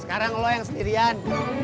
sekarang lo yang sendirian